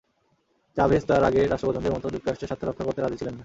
Chavez তাঁর আগের রাষ্ট্রপ্রধানদের মতো যুক্তরাষ্ট্রের স্বার্থ রক্ষা করতে রাজি ছিলেন না।